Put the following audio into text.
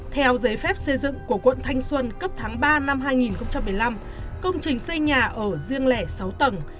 theo giấy phép xây dựng của quận thanh xuân cấp tháng ba năm hai nghìn một mươi năm công trình xây nhà ở riêng lẻ sáu tầng